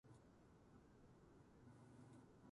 野球をする。